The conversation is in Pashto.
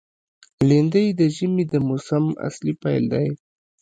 لېندۍ د ژمي د موسم اصلي پیل دی.